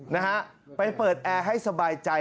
นะฮะไปเปิดแอร์ให้สบายใจ